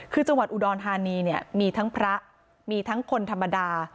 คือจังหวัดอุดรธานีเนี่ยมีทั้งพระมีทั้งคนธรรมดา